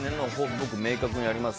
僕、明確にあります。